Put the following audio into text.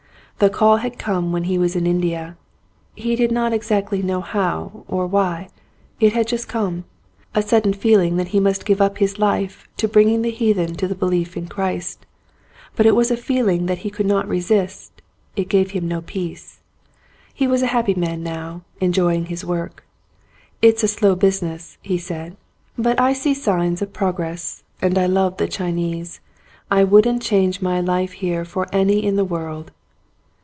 The call had come when he was in India. He did not exactly know how or why, it had just come, a sudden feeling that he must give up his life to bringing the heathen to the belief in Christ, but it was a feel ing that he could not resist ; it gave him no peace. He was a happy man now, enjoying his work. "It's a slow business," he said, "but I see signs of progress and I love the Chinese. I wouldn't change my life here for any in the world."